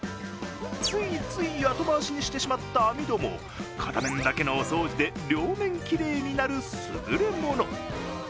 ついつい後回しにしてしまった網戸も片面だけのお掃除で両面きれいになるすぐれもの。